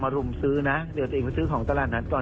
รุมซื้อนะเดี๋ยวตัวเองมาซื้อของตลาดนัดก่อน